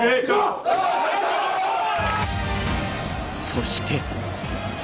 そして。